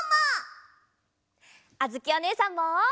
あづきおねえさんも！